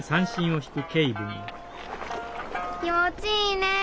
気持ちいいねえ。